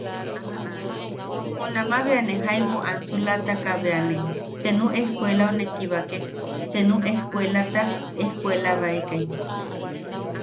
Junama bea ne jaibu ansulataka bea ne senu ejkuelau ne kibakek senu ejkuelata ejkuelabaekai.